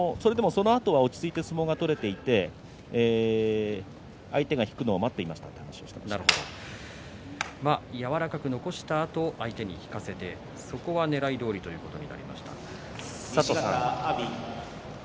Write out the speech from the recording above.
そのあと落ち着いて相撲が取れて相手が引くのを柔らかく残したあと相手に引かせそこはねらいどおりということになりました。